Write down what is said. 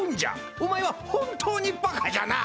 お前は本当にバカじゃな！